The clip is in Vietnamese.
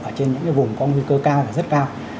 ở trên những vùng có nguy cơ cao là rất cao